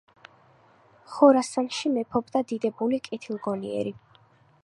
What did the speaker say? ხორასანში მეფობდა დიდებული, კეთილგონიერი